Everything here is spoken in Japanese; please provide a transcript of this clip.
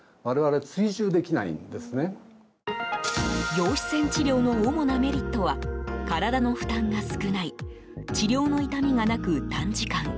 陽子線治療の主なメリットは体の負担が少ない治療の痛みがなく短時間。